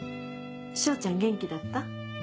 彰ちゃん元気だった？